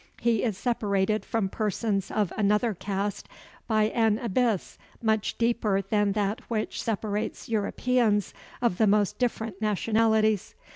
He is separated from persons of another caste by an abyss much deeper than that which separates Europeans of the most different nationalities.